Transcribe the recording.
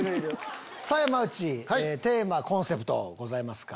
さぁ山内テーマコンセプトございますか？